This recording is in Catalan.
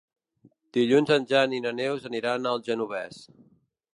Dilluns en Jan i na Neus aniran al Genovés.